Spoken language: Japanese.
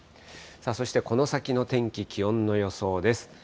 そして、この先の天気、気温の予想です。